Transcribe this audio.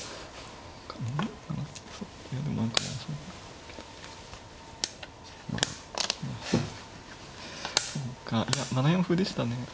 何かいや７四歩でしたね。